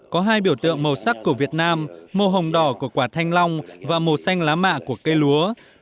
có hai biểu tượng màu sắc của việt nam màu hồng đỏ của quả thanh long và màu xanh lá mạ của cây lúa